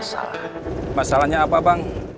sama orangnya gak ada